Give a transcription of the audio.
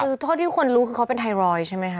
คือเท่าที่คนรู้คือเขาเป็นไทรอยด์ใช่ไหมคะ